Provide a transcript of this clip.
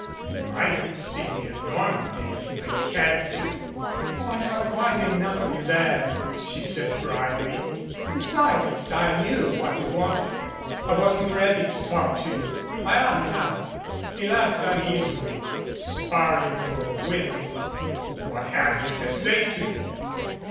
"You might have seen me in Normandy if you had cared to." "Oh, I saw quite enough of you there," she said dryly. "Besides, I knew what you wanted. I wasn't ready to talk to you. I am now." He laughed uneasily, sparring for wind. "What have you to say to me?"